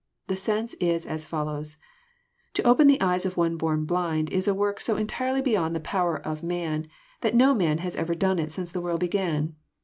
The sense is as follows :" To open the eyes of ojfi JEftrn blind is a work so entirely beyond the power of man, that no man has ever done it since the world began.